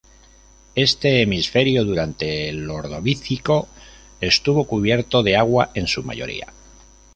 Este hemisferio durante el Ordovícico estuvo cubierto de agua en su mayoría.